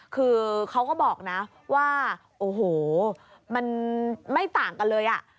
คือเขาก็บอกนะว่าโอ้โหมันไม่ต่างกันเลยอ่ะ